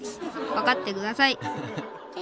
分かってください」。